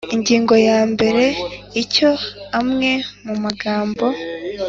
Ingingo ya mbere Icyo amwe mu magambo